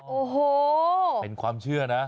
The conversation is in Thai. โอ้โหเป็นความเชื่อนะ